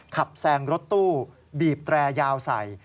แซงรถตู้บีบแตรยาวใส่